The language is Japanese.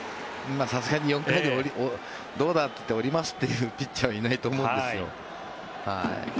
さすがに４回でどうだ？って言って降りますというピッチャーはいないと思うんですよ。